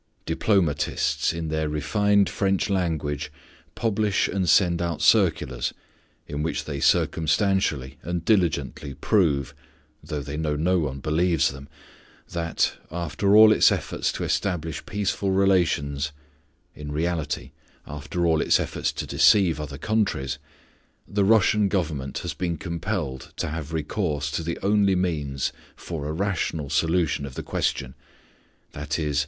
Diplomatists, in their refined French language, publish and send out circulars in which they circumstantially and diligently prove (though they know no one believes them) that, after all its efforts to establish peaceful relations (in reality, after all its efforts to deceive other countries), the Russian Government has been compelled to have recourse to the only means for a rational solution of the question _i.e.